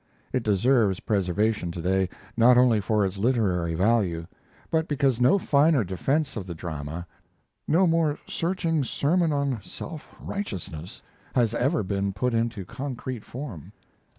It deserves preservation to day, not only for its literary value, but because no finer defense of the drama, no more searching sermon on self righteousness, has ever been put into concrete form.